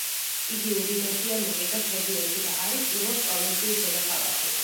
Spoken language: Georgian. იგი უდიდესია მოკეგას რეგიონში და არის ილოს პროვინციის დედაქალაქი.